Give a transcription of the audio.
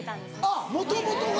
あっもともとが。